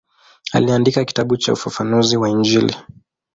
Aliandika kitabu cha ufafanuzi wa Injili.